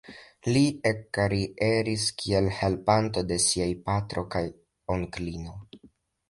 Li ekkarieris kiel helpanto de siaj patro kaj onklo.